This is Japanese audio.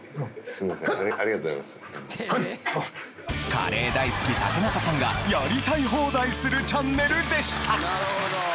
カレー大好き竹中さんがやりたい放題するチャンネルでしたなるほど。